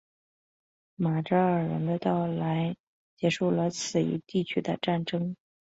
马扎尔人的到来结束了此一地区的纷争。